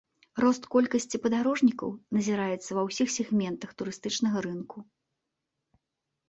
Рост колькасці падарожнікаў назіраецца ва ўсіх сегментах турыстычнага рынку.